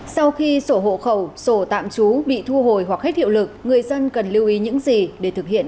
sau khi sổ hộ khẩu sổ tạm trú bị thu hồi hoặc hết hiệu lực người dân cần lưu ý những gì để thực hiện